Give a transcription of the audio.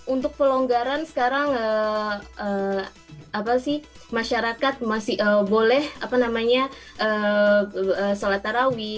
untuk pelonggaran sekarang masyarakat masih boleh salat tarawih